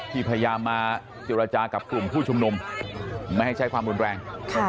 พยายามมาเจรจากับกลุ่มผู้ชุมนุมไม่ให้ใช้ความรุนแรง